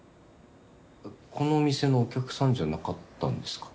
このお店のお客さんじゃなかったんですか？